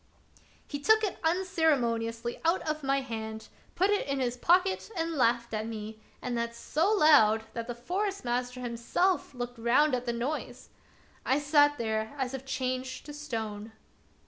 He took it unceremoniously out of my hand, put it in his pocket, and laughed at me, and that so loud that the Forest master himself looked round at the noise. I sate there as if changed to stone.